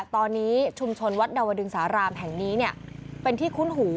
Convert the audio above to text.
ตอนนี้ชุมชนวัดดาวดึงสารามแห่งนี้เป็นที่คุ้นหู